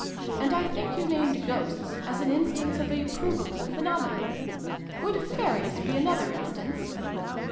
And I think you named Ghosts as an instance of a provable phenomenon. Would Fairies be another instance